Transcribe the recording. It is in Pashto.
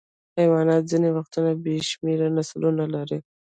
حیوانات ځینې وختونه بې شمېره نسلونه لري.